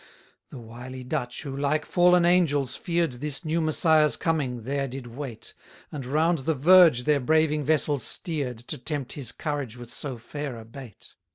114 The wily Dutch, who, like fallen angels, fear'd This new Messiah's coming, there did wait, And round the verge their braving vessels steer'd, To tempt his courage with so fair a bait.